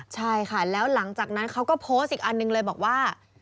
ใช่ค่ะแล้วหลังจากนั้นเขาก็โพสต์อีกอันหนึ่งเลยบอกว่า